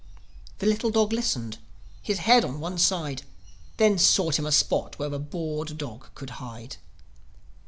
The little dog listened, his head on one side; Then sought him a spot where a bored dog could hide.